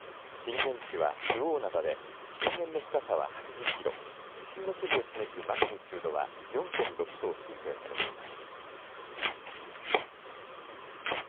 震源地は周防灘で震源の深さは８０キロ地震の規模を示すマグニチュードは４．６と推定されています。